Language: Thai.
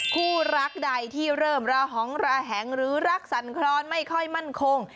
คู่รักใดที่เริ่มระหองระแหงหรือรักสั่นครอนไม่ค่อยมั่นคง